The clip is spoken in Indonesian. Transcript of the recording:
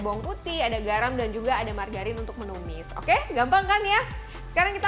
bawang putih ada garam dan juga ada margarin untuk menumis oke gampang kan ya sekarang kita